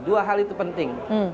dua hal itu penting